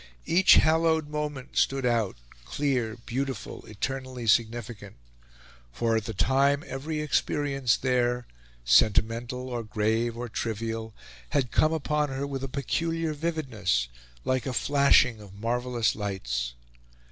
Each hallowed moment stood out clear, beautiful, eternally significant. For, at the time, every experience there, sentimental, or grave, or trivial, had come upon her with a peculiar vividness, like a flashing of marvellous lights.